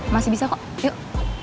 masih bisa kok yuk